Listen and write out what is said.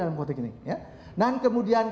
dalam konteks ini dan kemudian